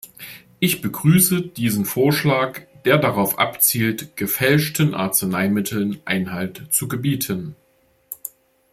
Ich begrüße diesen Vorschlag, der darauf abzielt, gefälschten Arzneimitteln Einhalt zu gebieten.